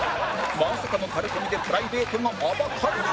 まさかのタレコミでプライベートが暴かれる！